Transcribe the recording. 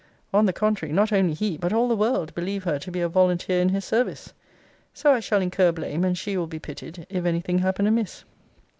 On the contrary, not only he, but all the world believe her to be a volunteer in his service. So I shall incur blame, and she will be pitied, if any thing happen amiss.